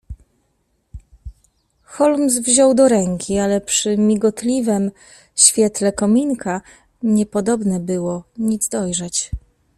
"Holmes wziął do ręki, ale przy migotliwem świetle kominka niepodobna było nic dojrzeć."